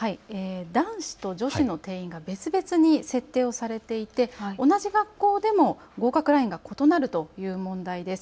男子と女子の定員が別々に設定されていて同じ学校でも合格ラインが異なるという問題です。